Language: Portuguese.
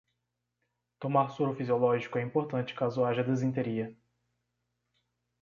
Tomar soro fisiológico é importante caso haja desinteria